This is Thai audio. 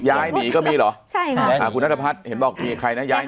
ย่ายหนีก็มีเหรอใช่ค่ะคุณธรรมพัฒน์เห็นบอกมีใครนะย่ายหนู